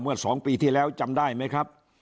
เมื่อสองปีที่แล้วจำได้ไหมครับ